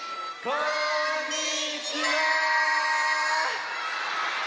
こんにちは！